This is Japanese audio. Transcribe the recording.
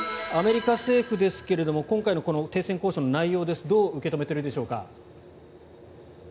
アメリカ政府ですが今回の停戦交渉の内容をどう受け止めているでしょうか。